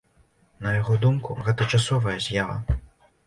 На яго думку, гэта часовая з'ява.